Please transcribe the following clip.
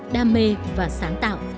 đam mê và sáng tạo